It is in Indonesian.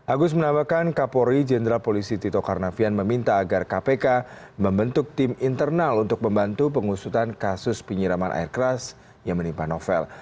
agus menambahkan kapolri jenderal polisi tito karnavian meminta agar kpk membentuk tim internal untuk membantu pengusutan kasus penyiraman air keras yang menimpa novel